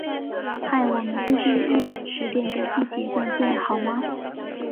嗨，我们星期日十点在地铁站见好吗？